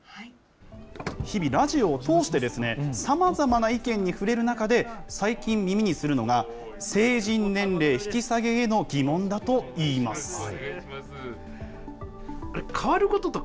日々、ラジオを通してさまざまな意見に触れる中で、最近、耳にするのが、成人年齢引き下げへの疑問だといいます。